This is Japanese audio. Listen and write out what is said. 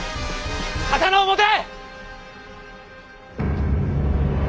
刀を持て！